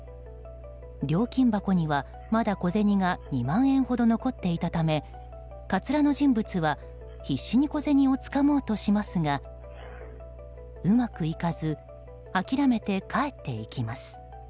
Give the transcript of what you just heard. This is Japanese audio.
料金箱には、まだ小銭が２万円ほど残っていたためかつらの人物は必死に小銭をつかもうとしますがうまくいかず諦めて帰っていきます。